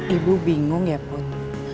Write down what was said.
ibu bingung ya put